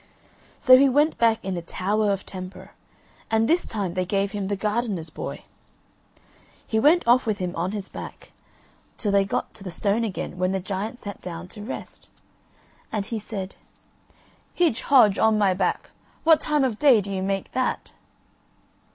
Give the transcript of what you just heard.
So he went back in a tower of a temper and this time they gave him the gardener's boy. He went off with him on his back till they got to the stone again when the giant sat down to rest. And he said: "Hidge, Hodge, on my back, what time of day do you make that?"